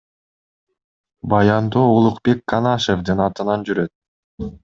Баяндоо Улукбек Канашевдин атынан жүрөт.